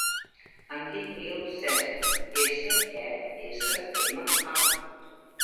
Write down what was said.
Em dic Nil Sesma: essa, e, essa, ema, a.